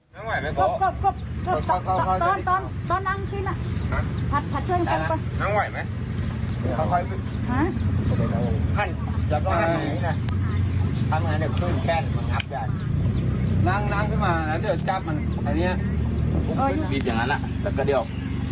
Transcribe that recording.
มันต้องให้อันนี้ออก